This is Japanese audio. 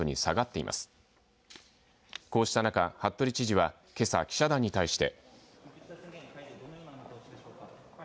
こうした中、服部知事はけさ記者団に対して。